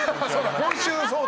今週そうだ。